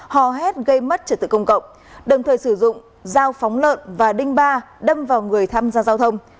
hò hét gây mất trật tự công cộng đồng thời sử dụng dao phóng lợn và đinh ba đâm vào người tham gia giao thông